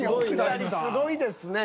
２人すごいですね。